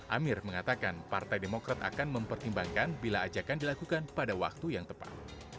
amir mengatakan partai demokrat akan mempertimbangkan bila ajakan dilakukan pada waktu yang tepat